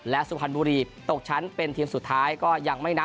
และสุพรรณบุรีตกชั้นเป็นทีมสุดท้ายก็ยังไม่นับ